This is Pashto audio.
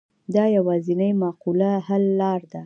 دا یوازینۍ معقوله حل لاره ده.